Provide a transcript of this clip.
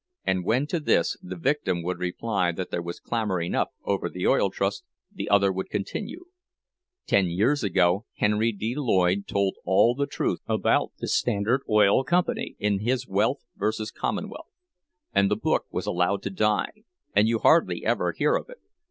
And when to this the victim would reply that there was clamor enough over the Oil Trust, the other would continue: "Ten years ago Henry D. Lloyd told all the truth about the Standard Oil Company in his Wealth versus Commonwealth; and the book was allowed to die, and you hardly ever hear of it.